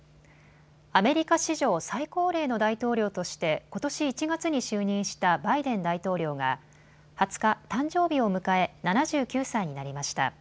アメリカ史上、最高齢の大統領としてことし１月に就任したバイデン大統領が２０日、誕生日を迎え７９歳になりました。